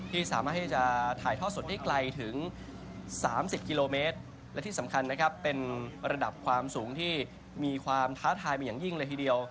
สามารถที่จะถ่ายท่อสดได้ไกลถึง๓๐กิโลเมตรและที่สำคัญนะครับเป็นระดับความสูงที่มีความท้าทายมาอย่างยิ่งเลยทีเดียว